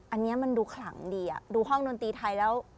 อันนี้มันดูขลังดีดูห้องดนตรีไทยแล้ว